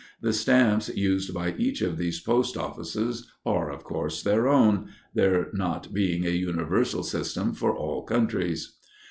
The stamps used by each of these post offices are, of course, their own, there not being a universal system for all countries.